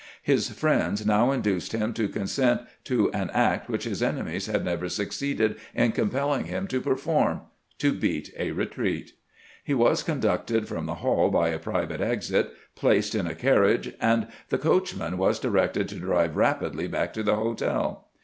His friends now induced him to consent to an act which his enemies had never succeeded in compelling him to per form — to beat a retreat. He was conducted from the hall by a private exit, placed ina carriage, and the coach man was directed to drive rapidly back to the hotel.